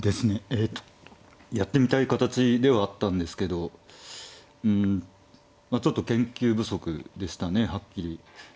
えっとやってみたい形ではあったんですけどうんちょっと研究不足でしたねはっきり。